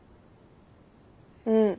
うん。